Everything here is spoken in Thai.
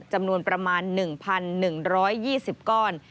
จำนวนประมาณ๑๑๒๐ก้อน